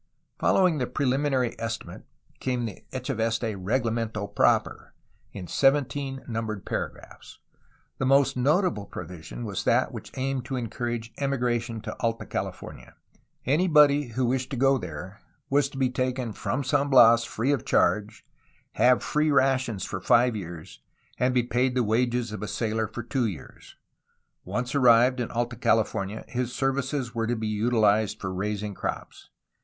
Following the preliminary estimate came the Echeveste reglamento proper, in seventeen numbered paragraphs. The most notable provision was that which aimed to encourage emigration to Alta California. Anybody who wished to go there was to be taken from San Bias free of charge, have free rations for five years, and be paid the wages of a sailor for two years. Once arrived in Alta California his services were to be utilized for raising crops.